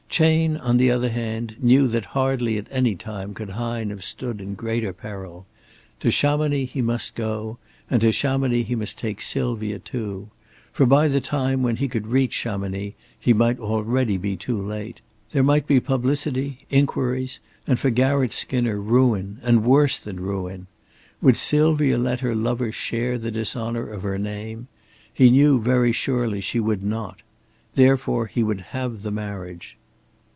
Chayne on the other hand knew that hardly at any time could Hine have stood in greater peril. To Chamonix he must go; and to Chamonix he must take Sylvia too. For by the time when he could reach Chamonix, he might already be too late. There might be publicity, inquiries, and for Garratt Skinner ruin, and worse than ruin. Would Sylvia let her lover share the dishonor of her name? He knew very surely she would not. Therefore he would have the marriage.